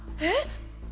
えっ！